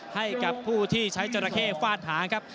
ให้กับผู้ที่ใช้จราเข้ฟาดหางครับ